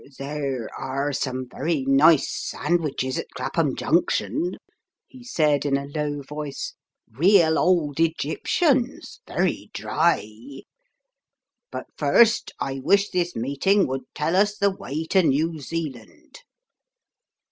"There are some very nice sandwiches at Clappum Junction," he said in a low voice, "real old Egyptians, very dry. But first, I wish this meeting would tell us the way to New Zealand."